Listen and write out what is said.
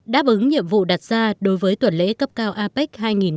đáp ứng nhiệm vụ đặt ra đối với tuần lễ cấp cao apec hai nghìn một mươi bảy